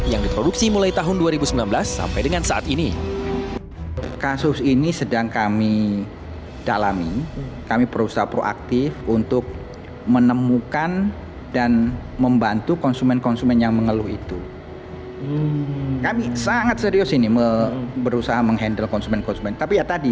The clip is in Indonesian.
yang diproduksi mulai tahun dua ribu sembilan belas sampai dengan saat ini